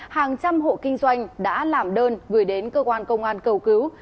hàng trăm hộ kinh doanh đã làm đơn gửi đến cơ quan công an cầu cứu